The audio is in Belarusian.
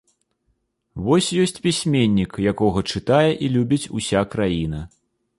Вось ёсць пісьменнік, якога чытае і любіць уся краіна.